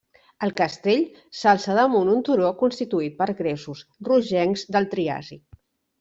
El castell s'alça damunt un turó constituït per gresos rogencs del Triàsic.